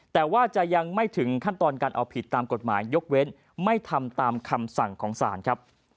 แต่ว่าจะยังไม่ถึงขั้นตอนการเอาผิดตามกฎหมายยกเว้นไม่ทำตามคำสั่งของศาลครับ